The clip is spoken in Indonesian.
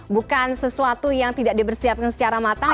bukan sesuatu yang tidak dipersiapkan secara matang